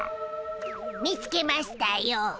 見つけましたよ。